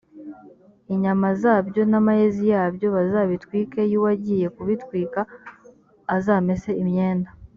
inyama zabyo n amayezi yabyo bazabitwike y uwagiye kubitwika azamese imyenda